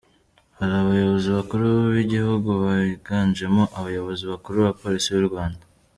Hari abayobozi bakuru b'igihugu biganjemo abayobozi bakuru ba Polisi y'u Rwanda.